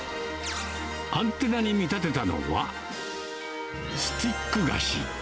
アンテナに見立てたのは、スティック菓子。